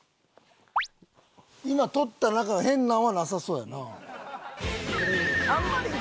今取った中変なのはなさそうやなあ。